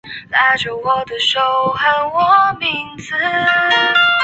舍尔斯特滕是德国巴伐利亚州的一个市镇。